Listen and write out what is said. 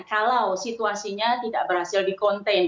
kalau situasinya tidak berhasil di contain